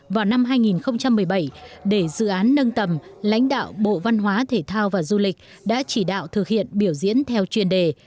vào năm hai nghìn một mươi bảy để dự án nâng tầm lãnh đạo bộ văn hóa thể thao và du lịch đã chỉ đạo thực hiện biểu diễn theo chuyên đề